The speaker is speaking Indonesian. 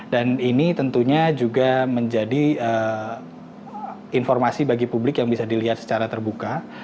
dan ini tentunya juga menjadi informasi bagi publik yang bisa dilihat secara terbuka